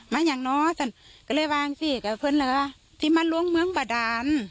อย่างน้อยฉันก็เลยวางสิกับเพื่อนเหลือที่มาล้วงเมืองบาดาน